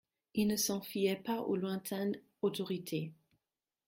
Il ne s'en fiait pas aux lointaines autorités.